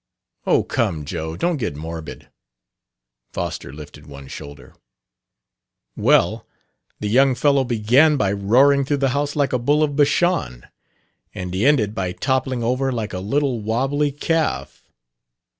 "Oh, come, Joe; don't get morbid." Foster lifted one shoulder. "Well, the young fellow began by roaring through the house like a bull of Bashan, and he ended by toppling over like a little wobbly calf."